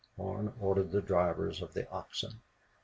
Horn ordered the drivers of the oxen.